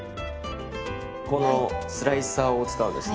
このスライサーを使うんですね。